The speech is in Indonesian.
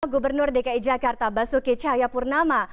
gubernur dki jakarta basuki cahayapurnama